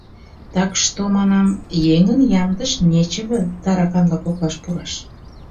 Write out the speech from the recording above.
Так-што, — манам, — еҥын ямдыш нечыве тараканла коклашке пураш.